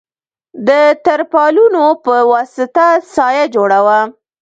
د تر پالونو په وسطه سایه جوړه وه.